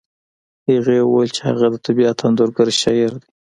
هغې وویل چې هغه د طبیعت انځورګر شاعر دی